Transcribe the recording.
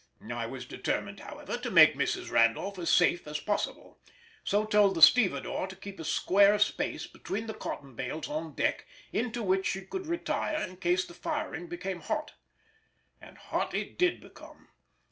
I was determined, however, to make Mrs. Randolph as safe as possible, so told the stevedore to keep a square space between the cotton bales on deck, into which she could retire in case the firing became hot. And hot it did become.